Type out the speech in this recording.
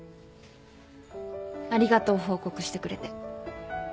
ありがとう報告してくれて